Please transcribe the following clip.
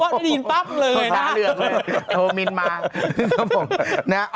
ก็ได้ยินปั๊บเลยนะ